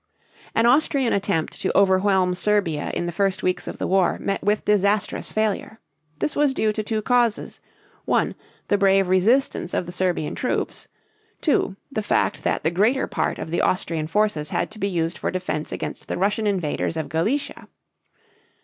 An Austrian attempt to overwhelm Serbia in the first weeks of the war met with disastrous failure. This was due to two causes: (1) the brave resistance of the Serbian troops; (2) the fact that the greater part of the Austrian forces had to be used for defense against the Russian invaders of Galicia.